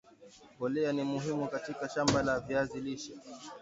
mbolea ni muhimu katika shamba la viazi lishe